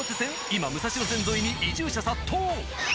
今、武蔵野線沿いに移住者殺到！